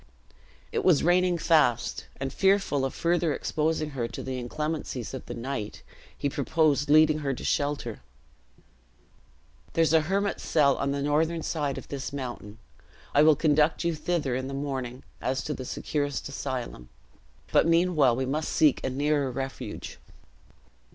It was raining fast; and fearful of further exposing her to the inclemencies of the night, he proposed leading her to shelter. "There is a hermit's cell on the northern side of this mountain. I will conduct you thither in the morning as to the securest asylum; but meanwhile we must seek a nearer refuge."